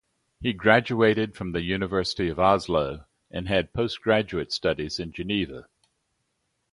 He graduated from the University of Oslo and had post-graduate studies in Geneva.